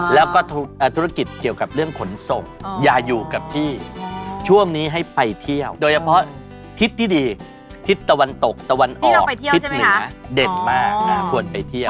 แล้วก็ธุรกิจเกี่ยวกับเรื่องขนส่งอย่าอยู่กับที่ช่วงนี้ให้ไปเที่ยวโดยเฉพาะทิศที่ดีทิศตะวันตกตะวันออกทิศเหนือเด่นมากนะควรไปเที่ยว